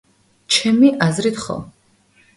ჩემი აზრით ხო